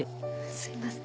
すいません。